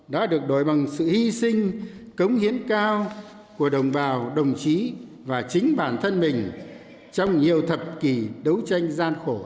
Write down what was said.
đã được đổi bằng sự hy sinh cống hiến cao của đồng bào đồng chí và chính bản thân mình trong nhiều thập kỷ đấu tranh gian khổ